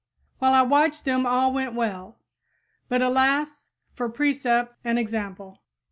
While I watched them all went well. But, alas, for precept and example!